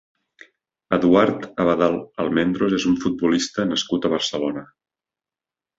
Eduard Abadal Almendros és un futbolista nascut a Barcelona.